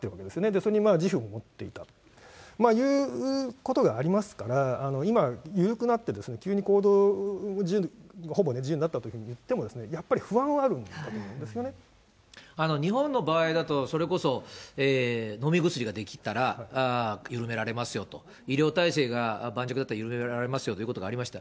それに自負も持っていたということがありますから、今、緩くなって、急に行動が自由、ほぼ自由になったといってもね、やっぱり不安はあるんだと思うん日本の場合だと、それこそ飲み薬が出来たら、緩められますよと、医療体制が盤石だったら緩められますよということがありました。